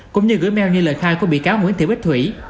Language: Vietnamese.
cũng như gửi mail như lời khai của biệt cáo nguyễn thị bích thủy